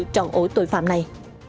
trọn ổ tội phạm này